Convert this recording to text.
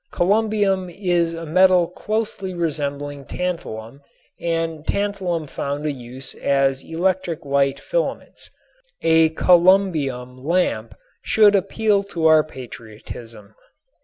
Columbium is a metal closely resembling tantalum and tantalum found a use as electric light filaments. A columbium lamp should appeal to our patriotism.